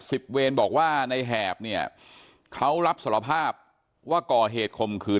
เวรบอกว่าในแหบเนี่ยเขารับสารภาพว่าก่อเหตุข่มขืน